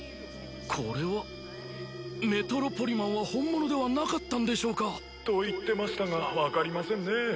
これはメトロポリマンは本物ではなかったんでしょうかと言ってましたが分かりませんね